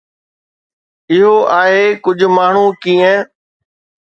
اهو آهي ڪجهه ماڻهو ڪيئن